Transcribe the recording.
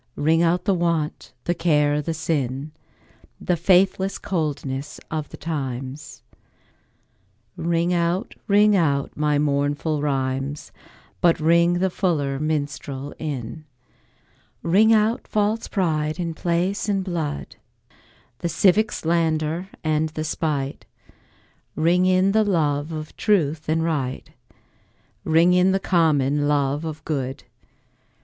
Ring out the want, the care the sin, The faithless coldness of the times; Ring out, ring out my mournful rhymes, But ring the fuller minstrel in. Ring out false pride in place and blood, The civic slander and the spite; Ring in the love of truth and right, Ring in the common love of good.